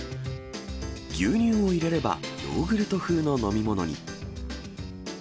牛乳を入れればヨーグルト風の飲み物に。